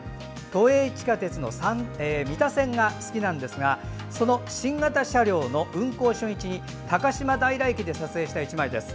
都営地下鉄の三田線が好きなんですがその新型車両の運行初日に高島平駅で撮影した１枚です。